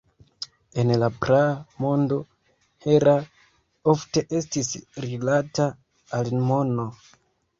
En la praa mondo Hera ofte estis rilata al mono.